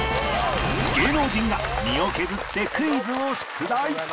芸能人が身を削ってクイズを出題